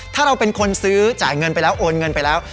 ถ้าเราเป็นคนซื้อจ่ายเงินไปแล้วโอนเงินไปแล้ว